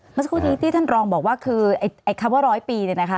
เมื่อสักครู่ที่ท่านรองพูดว่าคำว่า๑๐๐ปี